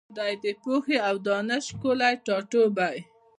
دی د پوهي او دانش ښکلی ټاټوبی